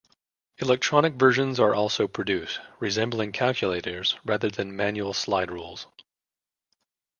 Electronic versions are also produced, resembling calculators, rather than manual slide rules.